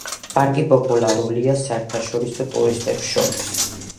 პარკი პოპულარულია საერთაშორისო ტურისტებს შორის.